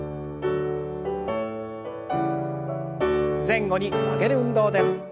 前後に曲げる運動です。